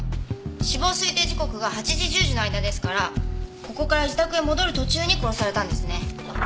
死亡推定時刻が８時１０時の間ですからここから自宅へ戻る途中に殺されたんですね。